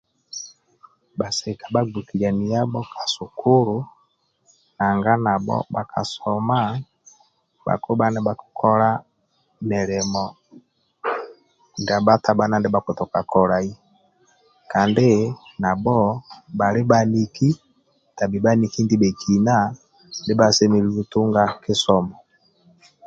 Bhasika bha gbhokilani yabho ka sukulu nanga nabho nkpa kasoma bha kibha nibha kikola milimo ndia bhatabhana bha kitoka kolai Kandi nabho bhali bhaniki ndibha semelelu Tunga kisomo